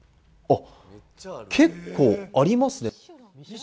結構ありますね。